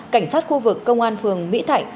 cảnh sát khu vực công an phường mỹ thạnh